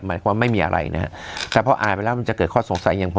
ความไม่มีอะไรนะฮะแต่พออายไปแล้วมันจะเกิดข้อสงสัยอย่างพอ